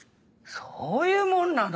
そういうもんなの？